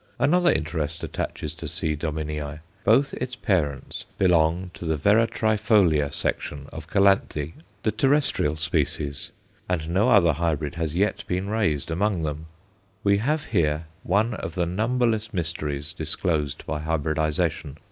Another interest attaches to C. Dominii. Both its parents belong to the Veratræfolia section of Calanthe, the terrestrial species, and no other hybrid has yet been raised among them. We have here one of the numberless mysteries disclosed by hybridization.